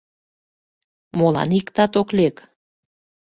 Молан иктат ок лек?